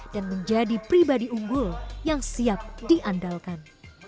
dan menjadi pribadi unggul yang siap diandalkan